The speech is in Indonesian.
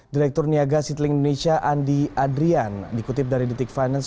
direktur niaga citilink indonesia andi adrian dikutip dari detik finance